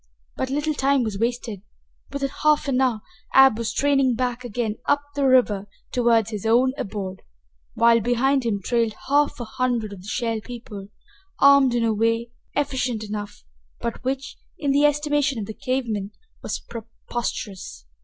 But little time was wasted. Within half an hour Ab was straining back again up the river toward his own abode, while behind him trailed half a hundred of the Shell People, armed in a way effective enough, but which, in the estimation of the cave men, was preposterous.